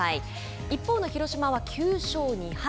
一方の広島は９勝２敗。